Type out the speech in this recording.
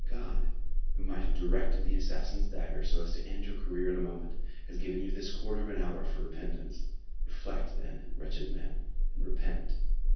God, who might have directed the assassin's dagger so as to end your career in a moment, has given you this quarter of an hour for repentance. Reflect, then, wretched man, and repent."